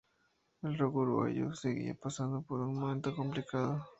El rock uruguayo seguía pasando por un momento complicado.